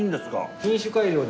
品種改良で。